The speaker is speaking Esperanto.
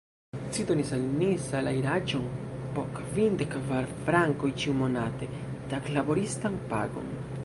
Ci donis al ni salajraĉon po kvindek kvar frankoj ĉiumonate, taglaboristan pagon!